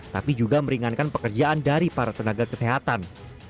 tapi juga meringankan pekerjaan dari para tenaga kesehatan